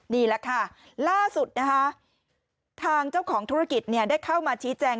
นี่แหละค่ะล่าสุดนะคะทางเจ้าของธุรกิจได้เข้ามาชี้แจง